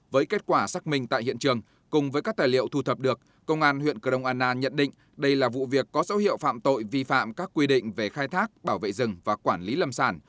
với kết quả xác minh tại hiện trường cùng với các tài liệu thu thập được công an huyện cờ rông anna nhận định đây là vụ việc có dấu hiệu phạm tội vi phạm các quy định về khai thác bảo vệ rừng và quản lý lâm sản